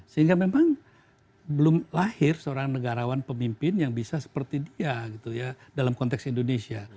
sehingga memang belum lahir seorang negarawan pemimpin yang bisa seperti dia gitu ya dalam konteks indonesia